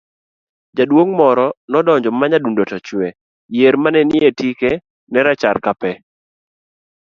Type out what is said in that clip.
,jaduong' moro nodonjo ma nyadundo to chwe, yier manie tike ne rachar ka pe